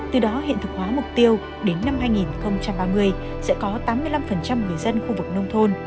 từ đó hiện thực hóa mục tiêu đến năm hai nghìn ba mươi sẽ có tám mươi năm người dân khu vực nông thôn